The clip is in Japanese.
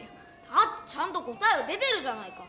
だってちゃんと答えは出てるじゃないか！